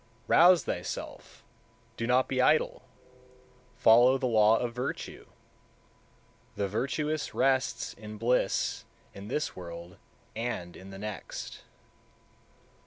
168. Rouse thyself! do not be idle! Follow the law of virtue! The virtuous rests in bliss in this world and in the next.